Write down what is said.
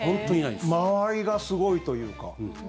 間合いがすごいというか。